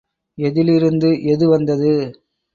எதிலிருந்து எது வந்தது?